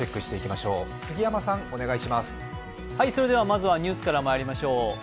まずはニュースからまいりましょう。